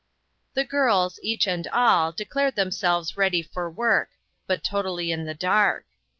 The girls, each and all, declared them selves ready for work, but totally in the dark.